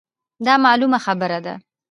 دا مـعـلومـه خـبـره ده.